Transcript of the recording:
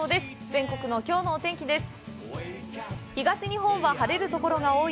全国のきょうのお天気です。